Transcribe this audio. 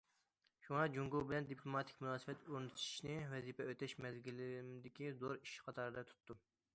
شۇڭا، جۇڭگو بىلەن دىپلوماتىك مۇناسىۋەت ئورنىتىشنى ۋەزىپە ئۆتەش مەزگىلىمدىكى زور ئىش قاتارىدا تۇتتۇم.